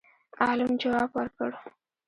عالم جواب ورکړ